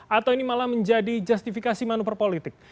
atau ini malah menjadi justifikasi manuver politik